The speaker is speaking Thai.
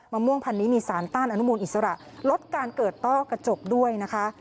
ม่วงพันนี้มีสารต้านอนุมูลอิสระลดการเกิดต้อกระจกด้วยนะคะ